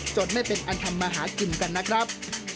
จนไม่เป็นอันทำมาหากินกันนะครับ